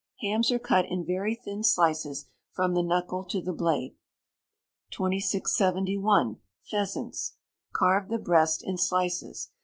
Hams are cut in very thin slices from the knuckle to the blade. 2671. Pheasants. Carve the breast in slices.